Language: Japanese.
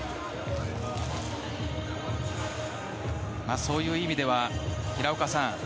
そういう意味では平岡さん